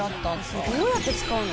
どうやって使うの？